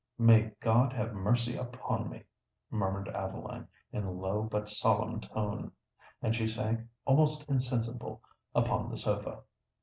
"May God have mercy upon me!" murmured Adeline, in a low but solemn tone. And she sank almost insensible upon the sofa.